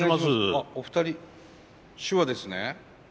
お二人手話ですね？